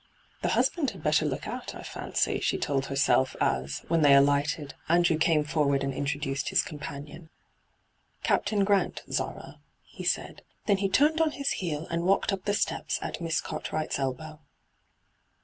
* The husband had better look out, I fancy,' she told herself as, when they ahghted, Andrew came forward and introduced his companion. ' Captain Grant, Zara,' he said. Then he turned on his heel and walked up the steps at Miss Cartwright's elbow.